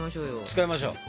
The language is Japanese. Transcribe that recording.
使いましょう。